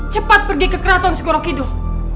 cepat pergi ke keraton sugoro kidul